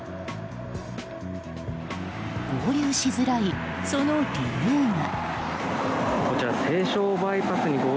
合流しづらいその理由が。